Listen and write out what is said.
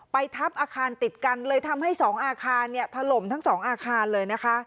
ทับอาคารติดกันเลยทำให้สองอาคารเนี่ยถล่มทั้งสองอาคารเลยนะคะ